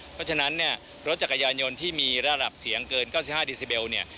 เพราะฉะนั้นเนี่ยรถจักรยานยนต์ที่มีระดับเสียงเกิน๙๕ดิซิเบลเนี่ย